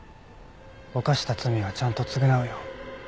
犯した罪はちゃんと償うよ。